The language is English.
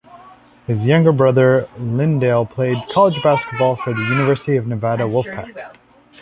His younger brother Lyndale played college basketball for the University of Nevada Wolf Pack.